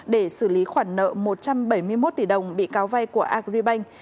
để xử lý khoản nợ một trăm bảy mươi một tỷ đồng bị cáo vay của agribank